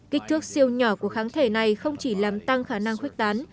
kích thước siêu nhỏ của kháng thể này không chỉ làm tăng khả năng khuếch tán